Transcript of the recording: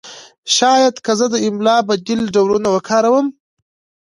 شاید که زه د املا بدیل ډولونه وکاروم